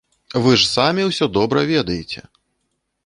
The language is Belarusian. Вы ж самі ўсё добра ведаеце!